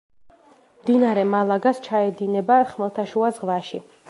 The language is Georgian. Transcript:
მდინარე მალაგას ჩაედინება ხმელთაშუა ზღვაში.